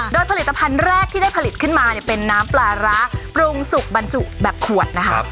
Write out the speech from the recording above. โดยผลิตภัณฑ์แรกที่ได้ผลิตขึ้นมาเนี่ยเป็นน้ำปลาร้าปรุงสุกบรรจุแบบขวดนะคะ